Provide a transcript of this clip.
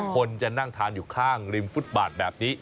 คนจะนั่งทานอยู่ข้างริมฟุตบาทแบบนี้